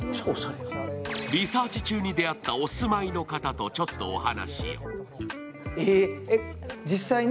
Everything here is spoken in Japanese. リサーチ中に出会ったお住まいの方とちょっとお話。